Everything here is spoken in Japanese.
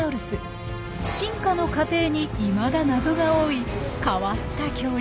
進化の過程にいまだ謎が多い変わった恐竜です。